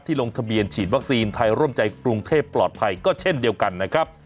ลงทะเบียนฉีดวัคซีนไทยร่วมใจกรุงเทพปลอดภัยก็เช่นเดียวกันนะครับ